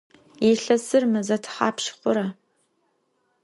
Yilhesır meze thapşş xhura?